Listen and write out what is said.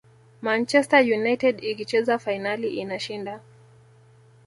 manchester united ikicheza fainali inashinda